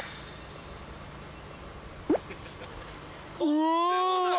うわ！